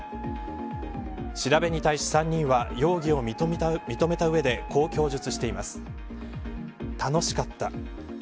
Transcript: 調べに対し３人は容疑を認めた上でこう供述しています。楽しかった。